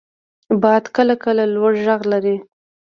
• باد کله کله لوړ ږغ لري.